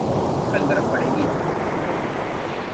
कल बरफ़ पड़ेगी।